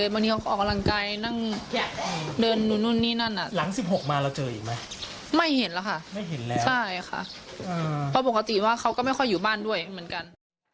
เพราะปกติว่าเขาก็ไม่ค่อยอยู่บ้านด้วยเหมือนกัน